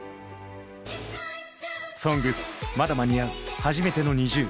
「ＳＯＮＧＳ」まだ間に合うはじめてのＮｉｚｉＵ。